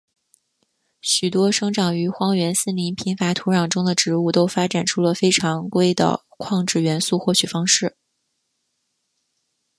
许多生长于荒原森林贫乏土壤中的植物都发展出了非常规的矿质元素获取方式。